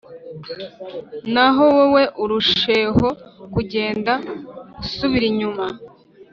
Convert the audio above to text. naho wowe urusheho kugenda usubira inyuma.